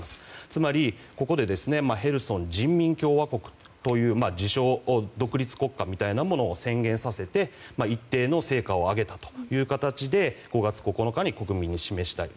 つまり、ここでヘルソン人民共和国という自称独立国家みたいなものを宣言させて一定の成果を上げたという形で５月９日に国民に示したい。